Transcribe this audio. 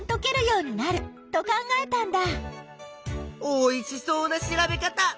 おいしそうな調べ方。